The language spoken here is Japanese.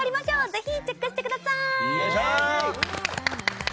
是非チェックしてください！